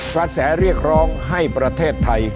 กระแสเรียกร้องให้ประเทศไทย